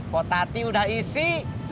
potati udah isi